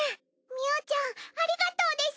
みゅーちゃんありがとうです！